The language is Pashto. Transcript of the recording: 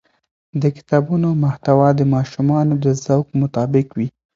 د کتابونو محتوا د ماشومانو د ذوق مطابق وي.